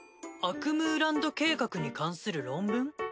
『アクムーランド計画に関する論文』？